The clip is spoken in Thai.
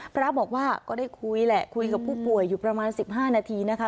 พระบอกว่าก็ได้คุยแหละคุยกับผู้ป่วยอยู่ประมาณ๑๕นาทีนะคะ